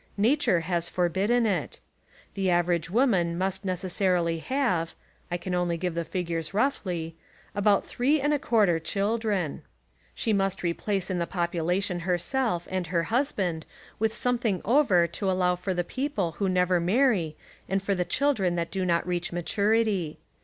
Nature has forbidden it. The average woman must necessarily have, — I can only give the figures roughly, — about three and a quarter children. She must replace in the population herself and her husband 'with something over to allow for the people who never marry and for the children that do not reach maturity.